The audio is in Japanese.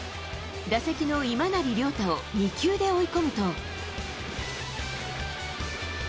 打席の今成亮太を２球で追い込むと。